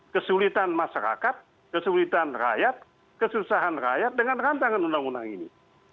kesulitan masyarakat kesulitan rakyat kesusahan rakyat dengan rancangan undang undang ini